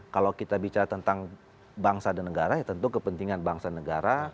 kalau kita bicara tentang bangsa dan negara ya tentu kepentingan bangsa negara